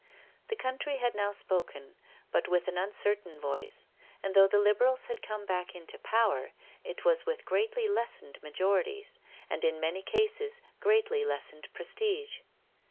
The country had now spoken, but with an uncertain voice, and though the Liberals had come back into power it was with greatly lessened majorities, and in many cases, greatly lessened prestige.